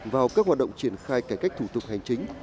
vào các hoạt động triển khai cải cách thủ tục hành chính